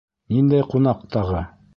— Ниндәй ҡунаҡ тағы?